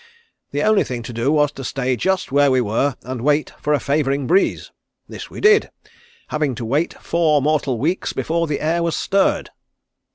The only thing to do was to stay just where we were and wait for a favouring breeze. This we did, having to wait four mortal weeks before the air was stirred."